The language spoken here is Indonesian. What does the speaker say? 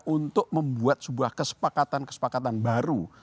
untuk membuat sebuah kesepakatan kesepakatan baru